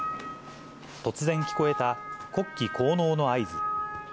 突然聞こえた国旗降納の合図。